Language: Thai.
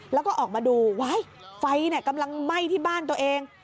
แล้วก็ออกมาดูว้ายไฟกำลังไหม้ที่บ้านตัวเอง